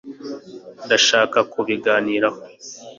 ndashaka kubiganiraho